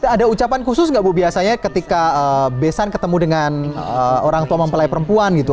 ada ucapan khusus nggak bu biasanya ketika besan ketemu dengan orang tua mempelai perempuan gitu